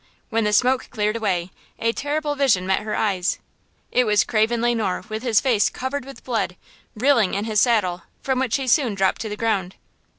When the smoke cleared away, a terrible vision met her eyes! It was Craven Le Noir with his face covered with blood, reeling in his saddle, from which he soon dropped to the ground.